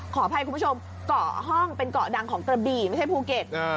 ขอแภกผมชมกล้อห้องเป็นกล้อดังของตระบิไม่ใช่ภูเกต